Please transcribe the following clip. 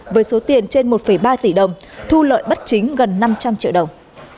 với số tiền trên một ba tỷ đồng thu lợi bất chính gần năm trăm linh triệu đồng